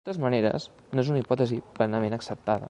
De totes maneres, no és una hipòtesi plenament acceptada.